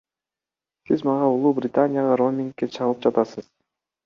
Сиз мага Улуу Британияга роумингге чалып жатасыз.